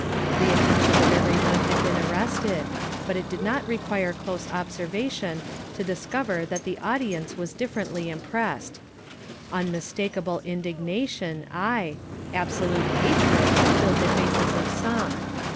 The attention of every one had been arrested, but it did not require close observ ing to discover that the audience was differently impressed. Unmistakable indignation, aye, abso lute hatred, filled the faces of some.